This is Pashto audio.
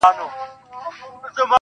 خو هغې دغه ډالۍ.